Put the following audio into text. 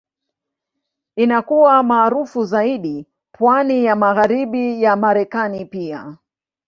Inakuwa maarufu zaidi pwani ya Magharibi ya Marekani pia.